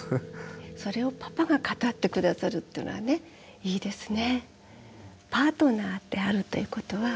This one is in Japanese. それをパパが語って下さるっていうのがねいいですね。